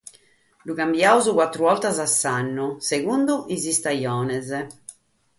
Ddu cambiamus cuatru bortas a s'annu, sighende is istajones.